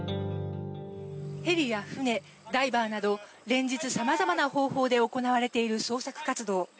船やヘリ、ダイバーなど連日、様々な方法で行われている捜索活動。